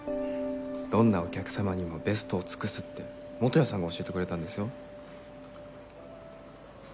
「どんなお客様にもベストを尽くす！」って本谷さんが教えてくれたんですよ？